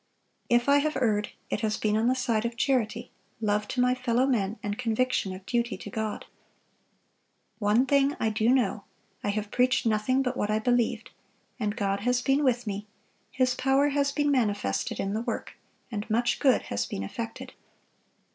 If I have erred, it has been on the side of charity, love to my fellow men, and conviction of duty to God." "One thing I do know, I have preached nothing but what I believed; and God has been with me; His power has been manifested in the work, and much good has been effected."